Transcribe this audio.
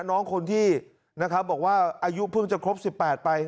น้องคนที่นะครับบอกว่าอายุเพิ่งจะครบ๑๘ไป